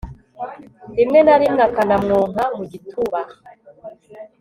rimwe na rimwe akanamwonka mu gituba